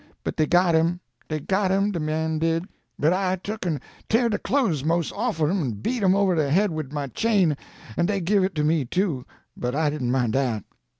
But dey got him dey got him, de men did; but I took and tear de clo'es mos' off of 'em an' beat 'em over de head wid my chain; an' DEY give it to ME too, but I didn't mine dat.